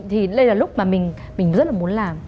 thì đây là lúc mà mình rất là muốn làm